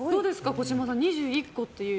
児嶋さん２１個っていう。